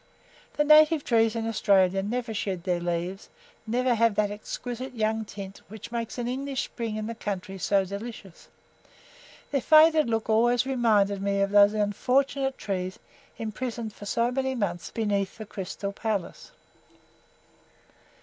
The native trees in Australia never shed their leaves, never have that exquisite young tint which makes an English spring in the country so delicious. Their faded look always reminded me of those unfortunate trees imprisoned for so many months beneath the Crystal Palace.